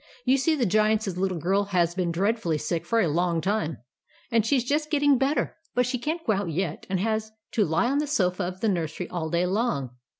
" You see the Giant's little girl has been dreadfully sick for a long time, and she 's just getting better. But she can't go out yet, and has to lie on the sofa in the nursery all day long.